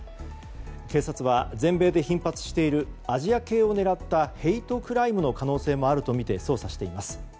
警察は、全米で頻発しているアジア系を狙ったヘイトクライムの可能性もあるとみて捜査しています。